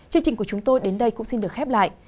chương trình của chúng tôi đến đây cũng xin được khép lại